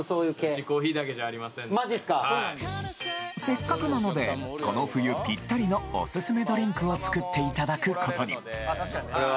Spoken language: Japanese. せっかくなのでこの冬ピッタリのおすすめドリンクを作っていただくことにこれは。